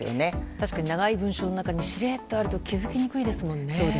確かに長い文章の中にしれーっとあると気づきにくいですもんね。